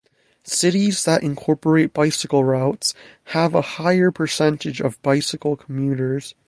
Cities that incorporate bicycle routes have a higher percentage of bicycle commuters.